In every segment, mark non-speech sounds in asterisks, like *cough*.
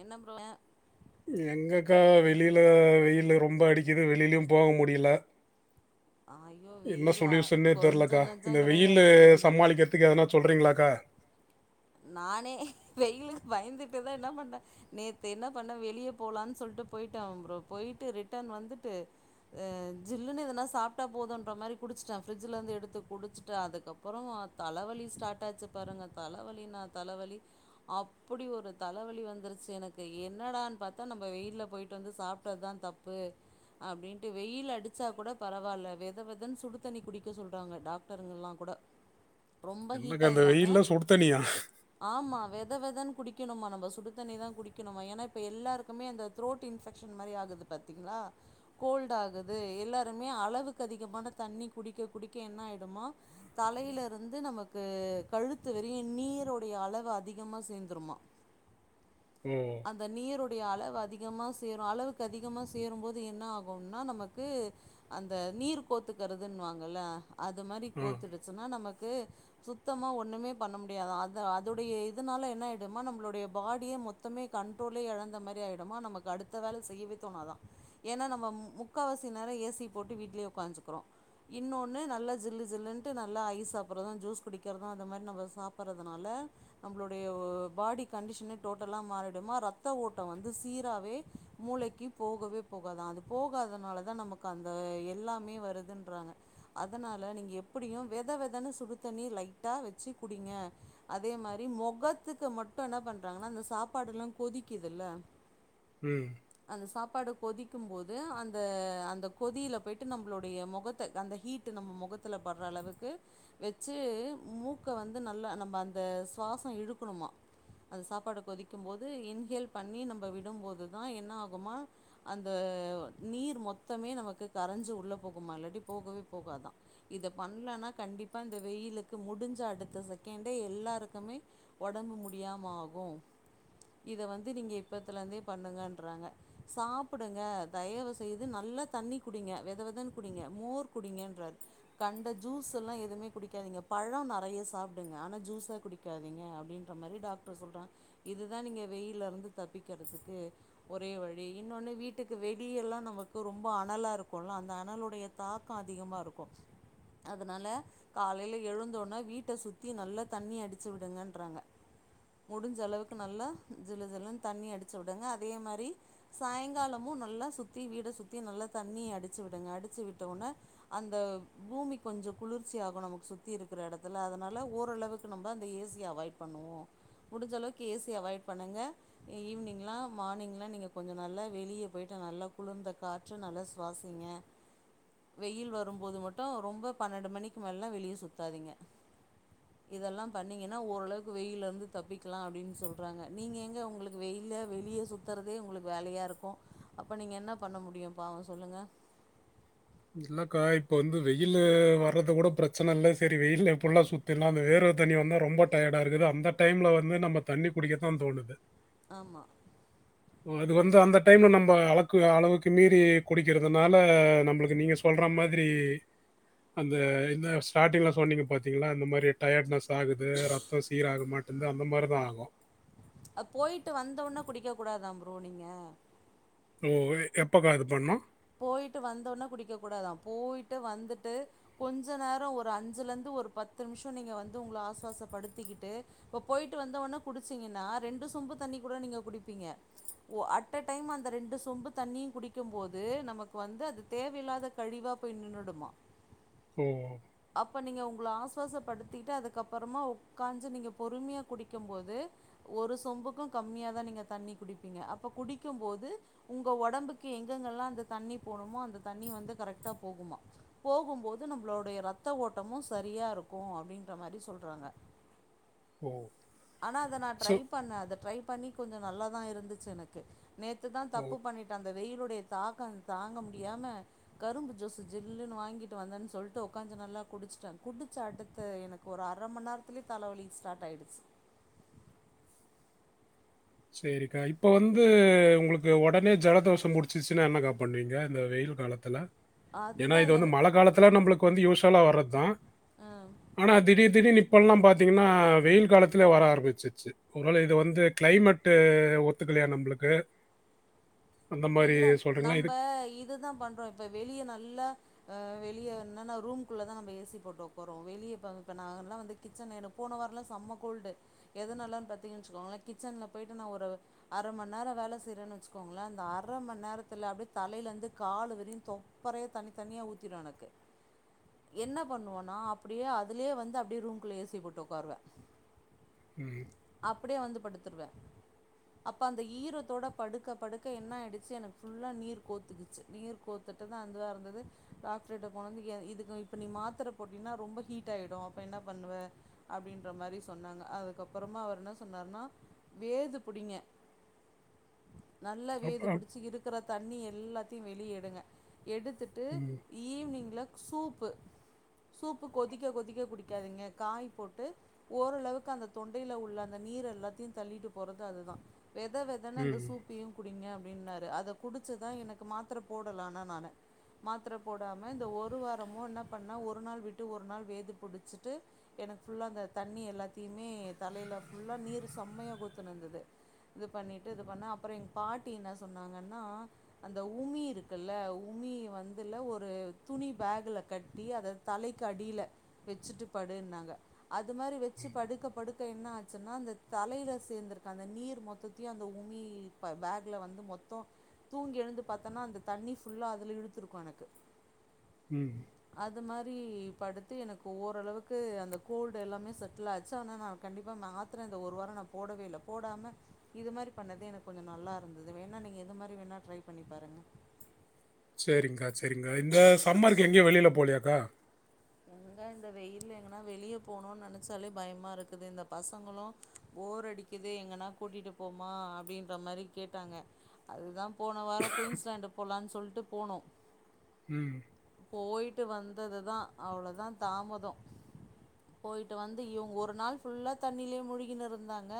என்ன ப்ரோ *unintelligible* எங்கக்கா வெளில வெயிலு ரொம்ப அடிக்குது வெளிலியும் போக முடில. ஐயோ என்ன வெயிலா சொலுயூசன்னே கொஞ்ச தெரிலக்கா நஞ்சோ இந்த வெயிலு கெடையாது சமாளிக்கிறதுக்கு எதுனா சொல்றீங்களாக்கா. நானே வெயிலுக்கு பயந்துட்டுதா என்ன பண்ண நேத்து என்ன பண்ணே வெளிய போலான் சொல்ட்டு போயிட்டே ப்ரோ போயிட்டு ரிட்டன் வந்துட்டு அ ஜில்லுனு எதுனா சாப்ட்டா போதுன்ற மாரி குடிச்சிட்டே ஃப்ரிட்ஜுலந்து எடுத்து குடிச்சுட்டே அதுக்கப் பறோ தலவலி ஸ்டாட் ஆச்சு பாருங்க தல வலினா தல வலி அப்புடி ஒரு தலவலி வந்துருச்சு எனக்கு என்னடான் பாத்தா நம்ப வெயில்ல போயிட்டு வந்து சாப்ட்டதுதா தப் பு அப்டின்ட்டு வெயில் அடிச்சா கூட பரவால்ல வெத வெதன் சுடு தண்ணி குடிக்க சொல்றாங்க டாக்டருங்கல்லா கூட. ரொம்ப ஹீட்டா என்னக்கா இந்த இல்லாம வெயில்ல சுடு தண்ணியா ஆமா வெத வெதன் குடிக்கணுமா நம்ப சுடுதண்ணிதா குடிக்கணுமா ஏனா இப்ப எல்லாருக்குமே அந்த த்ரோட் இன்ஃபெக்ஷன் மாரி ஆகுது பாத்தீங்களா கோல்டு ஆகுது எல்லாருமே அளவுக்கு அதிகமான தண்ணி குடிக்க குடிக்க என்ன ஆயிடுமா தலையில இருந்து நமக்கு கழுத்து வறியு நீரோடைய அளவு அதிகமா சேந்துருமா ம் அந்த நீருடைய அளவு அதிகமா சேரு அளவுக்கு அதிகமா சேரும்போது என்ன ஆகும்னா நமக்கு அந்த நீர் கோத்துக்கிறதுன்னு வாங்கல்ல அது மாரி ஆ கோத்துடுச்சுன்னா நமக்கு சுத்தமாக ஒன்னுமே பண்ண முடியாது அது அதுடைய இதுனால என்ன ஆயிடுமா நம்பளுடைய பாடியே மொத்தமே கண் ட்ரோலே எழந்த மாரி ஆயிடுமா நமக்கு அடுத்த வேல செய்யவே தோணாதா ஏனா நம்ம முக்கவாசி நேரோ ஏசி போட்டு வீட்லயே உக்ககாஞ்சுக்கிறோ இன்னொன்னு நல்லா ஜில்லு ஜில்லுன்ட்டு நல்லா ஐஸ் சாப்பட்றது ஜூஸ் குடிக்கிறது அந்த மாரி நம்ப சாப்பட்றதுனால நம்பளுடைய ஓ பாடி கண்டிஷனே டோட்டலா மாறிடுமா ரத்த ஓட்டோ வந்து சீராவே மூளைக்கி போகவே போகாதா அது போகாதனால தா நமக்கு அந்த எல்லாமே வருதுன்றாங்க அதனால நீங்க எப்டியு வெத வெதனு சுடுதண்ணி லைட்டா வச்சு குடிங்க அதே மாரி மொகத்துக்கு மட்டு என்ன பண்றாங்கனா அந்த சாப்பாடுல்லா கொதிக்குதுல்ல ம் அந்த சாப்பாடு கொதிக்கும் போது அந்த அந்த கொதியில போயிட்டு நம்ளுடைய முகத்த அந்த ஹீட் டு நம்ம மொகத்தல பர்ற அளவுக்கு வெச்சு மூக் க்க வந்து நல்லா நம்ம அந்த சுவாசோ இழுக்கணுமா அது சாப்பாட கொதிக்கும் போது இன்ஹேல் பண்ணி நம்ப விடும்போதுதா என்ன ஆகுமா அந்த நீர் மொத்தமே நமக்கு கரஞ்சு உள்ள போகுமா இல்லாட்டி போகவே போகாதா இத பண்லன்னா கண்டிப்பா இந்த வெயிலுக்கு முடிஞ்சா அடுத்த செகண்டே எல்லாருக்குமே ஒடம்பு முடியாம ஆகு இத வந்து நீங்க இப்பத்துல இருந்தே பண்ணுங்கன்றாங்க சாப்புடுங்க தயவு செய்து நல்லா தண்ணி குடிங்க வெத வெதன்னு குடிங்க மோர் குடிங்கன்றாரு கண்ட ஜூஸ் எல்லா எதுவுமே குடிக்காதீங்க பழோ நறைய சாப்டுங்க ஆனா ஜூஸா குடிக்காதீங்க அப்டின்ற மாரி டாக்டர் சொல்றாங்க இதுதா நீங்க வெயில்ல இருந்து தப்பிக்கறதுக்கு ஒரே வழி இன்னொன்னு வீட்டுக்கு வெளி எல்லா நமக்கு ரொம்ப அனலா இருக்குல அந்த அனலுடைய தாக்கோ அதிகமா இருக்கு அதனால காலையில எழுந்தோன வீட் ட சுத்தி நல்லா தண்ணி அடிச்சு விடுங்கன்றாங்க முடிஞ்ச அளவுக்கு நல்லா ஜிலு ஜிலுன்னு தண்ணி அடிச்சு விடுங்க அதே மாரி சாயங்காலமு நல்லா சுத்தி வீட சுத்தி நல்லா தண்ணி அடிச்சு விடுங்க அடிச்சு விட்ட உட்னே அந்த பூமி கொஞ்சோ குளிர்ச்சியாகு நமக்கு சுத்தி இருக்கற இடத்த அதுல அதனால ஓரளவுக்கு நம்ப அந்த ஏசிய அவாய்ட் பண்ணுவோ முடிஞ்சளவுக்கு ஏசிய அவாய்ட் பண்ணுங்க ஈவினிங்லா மார்னிங்லா நீங்க கொஞ்சோ நல்லா வெளிய போயிட்டு நல்லா குளிர்ந்த காத் மூச்ச நல்லா சுவாசிங்க வெயில் வருபோது மட்டு ரொம்ப பன்னெண்டு மணிக்கு மேலல்லா வெளிய சுத்தாதீங்க இதெல்லா பண்ணீங்கன்னா ஓரளவுக்கு வெயில இருந்து தப்பிக்கலா அப்டின்னு சொல்றாங்க நீங்க எங்க உங்களுக்கு வெயில்ல வெளிய சுத் சுத்துறதே உங்களுக்கு வேலையா இருக்கு அப்போ நீங்க என்ன பண்ண முடியு பாவு சொல்லுங்க இல்லக்கா இப்ப வந்து வெயிலு வர்றத கூட பெரச் ப்ரச்சன இல்ல செரி வெய்யில்ல புல்லா சுத்திருந்த அந்த வேர்வ தண்ணி வந்த ரொம்ப டயடா இருக்குது அந்த டைம்ல வந்து நம்ம தண்ணி குடிக்கத்தா தோணுது ஆமா ஒ அது வந்து அந்த டைம்ல நம்ப அளக்கு அளவுக்கு மீறி குடிக்கிறதுனால நம்ளுக்கு நீங்க சொல்றா மாதிரி அந்த இந்த ஸ்டார்டிங்ல சொன்னீங்க பாத்திங்ளா இந்த மாரி டயட்நெஸ் ஆகுது ரத் தோ சீராக மாட்டேந்து அந்த மாரி தா ஆகு அ போய்ட்டு வந்தவுன குடிக்க கூடாதா ப்ரோ நீங்க ஒ எப்பொக்க இது பண்ணொ போய்ட்டு வந்தோனெ குடிக்க கூடாதா போய்ட்டு வந்துட்டு கொஞ்ச நேரொ ஒரு அஞ்சுலந்து ஒரு பத்து நிமிஷோ நீங்க வந்து உங்கள ஆசுவாசப்படுத்திக்கிட்டு இப்ப போய்ட்டு வந்த ஒன்னே குடுச்சிங்கன்னா ரெண்டு சொம்பு தண்ணி கூட நீங்க குடிப்பீங்க ஒ அட்ட டைம் அந்த ரெண்டு சொம்பு தண்ணியு குடிக்க போ து நமக்கு வந்து அது தேவையில்லாத கழிவா போய் நின்னுடுமா ஒ ஒ அப்ப நீங்க உங்ள ஆசுவாசப்படுத்திட்டு அதுக்கப்றொமா உக்காஞ்சு நீங்க பொறுமையா குடிக்கு போது ஒரு சொம்புக்கு கம்மியாதா நீங்க தண்ணி குடிப்பீங்க அப்ப குடிக்கு போது உங்க ஒடம்புக்கு எங்கெங்க எல்லா அந்த தண்ணி போணுமோ அந்த தண்ணி வந்து கரெக்ட்டா போகுமா போகுபோது நம்ளோடைய ரத் த்த ஓட்டமு சரியா இருக்கு அப்டின்ற மாரி சொல்றாங்க ஓ! ஆனா அத நா சோ ட்ரை பண்ண அத ட்ரை பண்ணி கொஞ்சோ நல்லாதா இருந்துச்சு எனக்கு நேத்து தா ஓ! தப்பு பண்ணிட்ட அந்த வெய்யிலுடைய தாக்கோ தாங்க முடியாம கரும்பு ஜூஸு ஜில்லுன்னு வாங்கிட்டு வந்தன்னு சொல்லிட்டு உக்காந்து கொஞ்சோ நல்லா குடிச்சுட்ட குடிச்ச அடுத்து எனக்கு ஒரு அரமண் நேரத்துலையே தலவலி ஸ்டார்ட் ஆகிடுச்சு செரிக்கா இப்ப வந்து உங்களுக்கு ஒடனே ஜலதோஷ புடிச் சுன்னா என்னகா பண்ணுவிங்க இந்த வெய்யில் காலத்துல ஏன்னா அதுதா இது வந்து என மழ காலத்துல நம்ளுக்கு வந்து யூசலா வர்றதா அ ஆனா திடீர் திடீர்னு இப்பெல்லா பாத்திங்கன்னா வெய்யில் காலத்துல வர ஆரம்பிச்சிச்சு ஒருவேள இது வந்து கிளைமேட்டு ஒத்துக்கலையா நம்ளுக்கு இல்ல நம்ப இதுதா பண்றோ இப்ப வெளிய நல்லா ஆ வெளிய என்னன்னா ரூம்குள்ள தா நம்ம ஏ சி போட்டு ஒக்காருவோ வெளிய இப்ப இப்ப நாலா வந்து *unintelligible* போன வாரலா செம்ம கோல்டு எதுனாலன்னு பத்திங்கன்னுச்சுக்கோங்களே கிச்சன்ல போய்ட்டு நா ஒரு அர மண் நேரோ வேல செய்றேன்னு வச்சுக்கோங்களே இந்த ஆ ர மண் நேரத்துல அப்டியே தலயிலந்து கால் விரியு தொப்பரைய தண்ணி தண்ணியா ஊத்திரு எனக்கு என்ன பண்ணுவோனா அப்டியே அதுலே வந்து அப்டியே ரூம்குள்ள ஏ சி ய போட்டு உக்காருவே ம் அப்டியே வந்து படுத்துருவே அப்ப அந்த ஈரத்தோட படுக்க படுக்க என்ன ஆய்டு ச்சி எனக்கு ஃபுல்லா நீர் கோத்துக்கிச்சு நீர் கோத்துட்டு தா அந்தவ இருந்தது டாக்டர்ட்ட போனது எ இதுக்கு இப்ப நீ மாத்தர போட்டின்னா ரொம்ப ஹீட் ஆய்டு அப்ப என்ன பண்ணுவ அப்டின்ற மாரி சொன்னாங்க அதுக்கப்றொமா அவர் என்ன சொன்னாருன்னா வேது புடிங்க நல்ல அப் வேது அப் புடிச்சு இருக்குற தண்ணி எல்லாத்தையு வெளிய எடுங்க எடுத்துட் டு ம். ஈவ்னிங்ல சூப்பு சூப்பு கொதிக்க கொதிக்க குடிக்காதிங்க காய் போட்டு ஓரளவுக்கு அந்த தொண்டையில உள்ள அந்த நீர் எல்லாத்தையு தள்ளிட்டு போறது அதுதா வெத வெத் அதானே அந்த ம். சூப்பையு குடிங்க அப்டின்னாரு அத குடிச்சதா எனக்கு மாத்தர போடல ஆனா நானு மாத்தர போடாம இந்த ஒரு வாரமு என்ன பண்ணா ஒரு நாள் விட்டு ஒரு நாள் வேதி புடுச்சிட்டு எனக்கு ஃபுல்லா அந்த தண்ணி எல்லாத்தையுமே தலையில ஃபுல்லா நீர் சம்மையா கொர்த்துனுந்தது இது பண்ணிட்டு இது பண்ண அப்றோ எங்க பாட்டி என்ன சொன்னாங்கன்னா அந்த உமி இருக்குல உமி வந்துல ஒரு துணி பேக்ல கட்டி அத தலையிக்கு அடில வெச்சுட்டு படுன்னாங்க அது மாரி வெச்சு படுக்க படுக்க என்னாச்சுன்னா அந்த தலையில சேந்திருக்க அந்த நீர் மொத்தத் தையு அந்த உமி இப்ப பேக்ல வந்து மொத் போ தூங்கி எழுந்து பாத்தோனா அந்த தண்ணி ஃபுல்லா அதுல இழுத்துருக்கு எனக்கு ம் அது மாரி படுத்து எனக்கு ஓரளவுக்கு அந்த கோல்டு எல்லாமே செட்டில்லாச்சு ஆனா நா கண்டிப்பா மாத்தர இந்த ஒரு வாரோ நா போடவே இல்ல போடாம இது மாதிரி பண்ணதே எனக்கு கொஞ்சோ நல்லாருந்தது மே ன்னா நீங்க இது மாரி வேணா ட்ரை பண்ணி பாருங்க சேரிங்கா சேரிங்கா இந்த சம்மருக்கு எங்கயு வெளில போலையாக்கா எங்க இந்த வெயில்ல எங்கனா வெளியே போணுன்னு நெனைச்சாலே பயமாருக்குது இந்த பசங்களு போர் அடிக் கீது எங்கன்னா கூட்டிட்டு போம்மா அப்டின்ற மாரி கேட்டாங்க அது தா போன வாரோ குயின்ஸ் லாண்ட போலான்னு சொல்ட்டு போனோ ம் போய்ட்டு வந்தது தா அவ்ளோ தா தாமதோ போய்ட்டு வந்து இவுங்க ஒரு நாள் ஃபுல்லா தண்ணிலயே முழுகின்னு இருந்தாங்க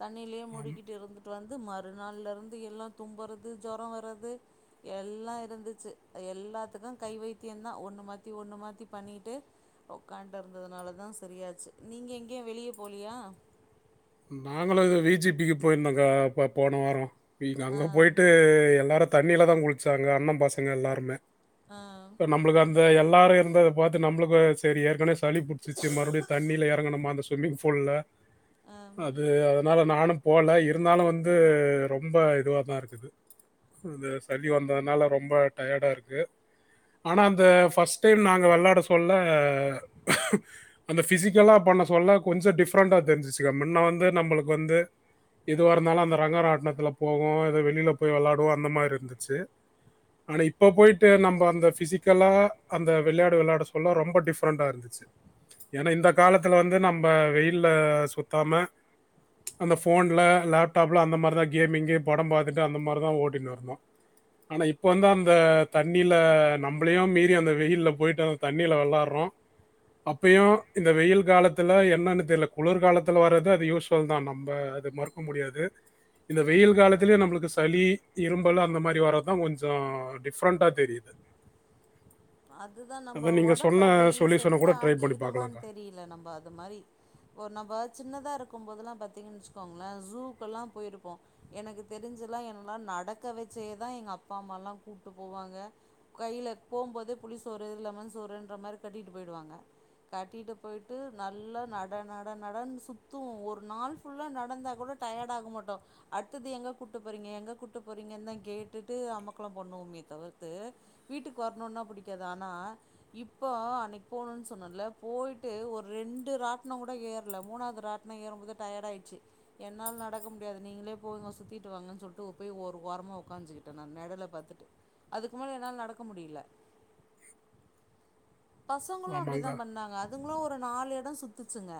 தண்ணிலயே ஆமா. முழிக்கிட்டு இருந்துட்டு வந்து மறுநாள்லருந்து எல்லா தும்புறது ஜொரோ வறது எல்லாருந்துச்சு எல்லாத்துக்கு கை வைத்தியோ தா ஒண்ணு மாத்தி ஒண்ணு மாத்தி த்தி பண்ணிட்டு உக்கான்தருந்ததுனால தா சரியாச்சு நீங்க எங்கேயு வெளிய போலயா நாங்களு இது வி ஜிபிக்கு போயிருந்தோங்கா அப்ப போன வாரோ நீங்க ஆ அங்கலா போயிட்டு எல்லாரு தண்ணில தா குளுச்சாங்க அண்ண பசங்க எல்லாருமே ஆ நம்மளுக்கு அந்த எல்லாரு இருந்தது பாத்து நம்ளுக்கு செரி ஏற்கனே சளி புடிச்சுருச்சு மறுபடியு தண்ணில எறங்கணுமா அந்த ஸ்விம்மிங் பூல்ல ஆ இது அதனால நானு போல இருந்தாலு வந்து ரொம்ப இதுவா தா இருக்குது இது சளி வந்ததுனால ரொம்ப டயர்டாருக்கு ஆனா அந்த ஃப்ர்ஸ்ட் டைம் நாங்க வெள்ளாட சொல்ல அந்த ஃபிசிக்கலா பண்ண சொல்ல கொஞ்சோ டிஃப்ரெண்ட்டா தெரிஞ்சிச்சு மின்ன வந்து நம்மளுக்கு வந்து எதுவாருந்தாலு அந்த ரங்க ராட்டுனத்துல போவோ எது வெளில போய் வெள்ளாடுவோ அந்த மாரி இருந்துச்சு ஆனா இப்ப போய்ட்டு நம்ம அந்த ஃபிசிக்கலா அந்த வெள்யாடு வெள்ளாட சொல்ல ரொம்ப டிஃப்ரெண்ட்டா இருந்துச்சு ஏன்னா இந்த காலத்துல வந்து நம்ப வெயில்ல சுத்தாம அந்த ஃபோன்ல லேப்டாப்புல அந்த மாரி தா கேமிங்கு படோ பாத்துட்டு அந்த மாரி தா ஒட்டிட்டு இருந்தோ ஆனா இப்ப வந்து அந்த தண்ணில நம்மளையு மீறி அந்த வெயில்ல போய்ட்டு வந் தண்ணில வெள்ளாடுறோ அப்பையு இந்த வெயில் காலத்துல என்னன்னு தெர்ல குளிர் காலத் இதுல வரது அது யூஸ்ஃபுல் தா நம்ம அது மறுக்க முடியாது இந்த வெயில் காலத்துலையு நம்மளுக்கு சளி இரும்பல் அந்த மாரி வரது தா கொஞ்சோ டிஃப்ரெண்ட்டா தெரிது அது தா நம்ம நீங்க ஒடம்பு சொன்ன அப்டி சொல்யூஷன கூட ட்ரை பண்ணி செட்டாக்கிக்கிட்டோம்மா பார்க்கலாங்க. தெரி இல்ல நம்ப அது மாரி இப்போ நம்ப சின்னதா இருக்கும் போதுலா பாத்தீங்கன்னு வெச்சுக்கோங்களே ஜூக்கு எல்லா போயிருப்போ எனக்கு தெரிஞ்சுலா என்னெல்லா நடக்க வெச்சே தா எங்க அப்பா அம்மா எல்லா கூப்ட்டு போவாங்க கைல போம்போதே புளி சோறு லெமன் சோறுன்ற மாரி கட்டிட்டு போயிடுவாங்க கட்டிட்டு போய்ட்டு நல்லா நட நட நடன்னு சுத்துவோ ஒரு நாள் ஃபுல்லா நடந்தா கூட டயட் ஆக மாட்டோ அத்தது எங்க கூட்டு போறீங்க எங்க கூட்டு போறீங்கன் தா கேட்டுட்டு அமக்கலோ பண்ணுவோமே தவிர்த்து வீட்டுக்கு வரணுனா புடிக்காது ஆனா இப்போ அன்னைக்கு போனோன் சொன்னல போய்ட்டு ஒரு ரெண்டு ராட்டனோ கூட ஏறல மூணாவது ராட் டனோ ஏற மோது டயட்ஆயிச்சு என்னால் நடக்க முடியாது நீங்களே போங்கோ சுத்திட்டு வாங்கன்னு சொல்ட்டு போய் ஒரு ஓரமா உக்காச்சுக்கிட்டே நானு நெழலா பாத்துட்டு அதுக்கு மேல என்னால நடக்க முடில பசங்களு ஆமாங்க. அப்டித்தா பண்ணாங்க அதுங்களு ஒரு நாலு எடோ சுத்துச்சுங்க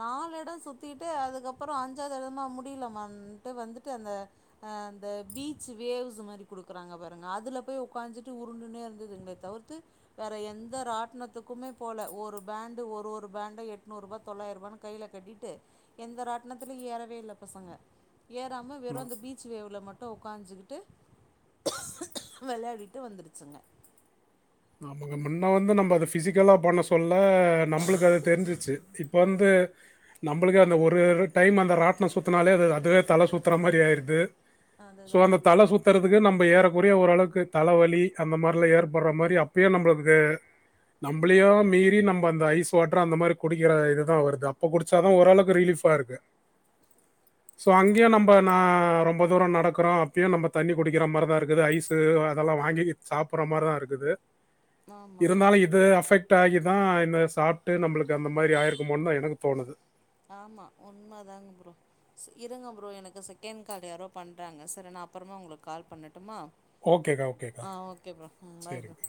நாலு எடோ சுத்திட்டு அதுக்கப்புறோ அஞ்சாவது எடம்லா முடிலம்மான்ட்டு வந்துட்டு அந்த அந்த பீச்சு வேவ்ஸ் மாரி குடுக்குறாங்க பாருங்க அதுல போய் ஒக்காந்துட்டு உருண்டுன்னே இருந்ததுங்க தவிர்த்து வேற எந்த ராட்டினத்துக்குமே போல ஒரு பேண்டு ஒரு ஒரு பேண்ட எட்நூறு ருவா தொள்ளாயிருவானு கைல கட்டிட்டு எந்த ராட்டனத்தலயுணர ஏறவே இல்ல பசங்க ஏறாம வெறு ஆமா. அந்த பீச் ச்சு வேவுல மட்டு உக்காஞ்சுக்கிட்டு விளையாடிட்டு வந்துடுச்சுங்க முன்ன வந்து நம்ம அத ஃபிசிக்கலா பண்ண சொ சொல்ல நம்மளுக்கு அது தெரிஞ்சிச்சு இப்போ வந்து நம்மளுக்கே அந்த ஒரு டைம் அந்த ராட்டனம் சுத்துனாலே அது அதுவே தலை சுத்தற மாதிரி ஆயிடுது சோ அதுதா அந்த தல சுத் த்துறதுக்கு நம்ம ஏறக்குறைய ஓரளக்கு தலவலி அந்த மாறில ஏற்படற மாரி அப்பயே நம்மளுக்கு நம்மளையோ மீறி நம்ம அந்த ஐஸ் வாட்டர் அந்த மாறி குடிக்கற இதுதா வருது அப்ப குடிச்சாதா ஒரளவுக்கு ரிலீஃபா இருக்கு சோ அங்கேயு நம்ப நா ரொம்ப தூரோ நடக்கறோ அப்பயும் நம்ம தண்ணி குடிக்கற மாறிதா இருக்குது ஐஸு அதெல்லா வாங்கி சாப்பட்ற மாரி தா இருக்குது ஆமா இருந்தாலு இது அஃபெக்ட் ஆகி தா இந்த சாப்ட்டு நம்மளுக்கு அந்த மாரி ஆய்ருக்குமோன்னு தா எனக்கு தோணுது ஆமா உண்ம தாங்க ப்ரோ செ இருங்க ப்ரோ எனக்கு செகண்ட் கால் யாரோ பண்றாங்க செரி நா அப்புறமா உங்களுக்கு கால் பண்ணட்டுமா ஓகேக்கா ஓகேக்கா ஆஹ் ஓகே ப்ரோ ம் பாய் சரிங்கக்கா